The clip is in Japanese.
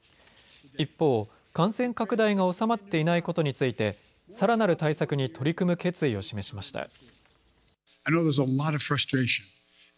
一方、感染拡大が収まっていないことについてさらなる対策に取り組む決意を示しました。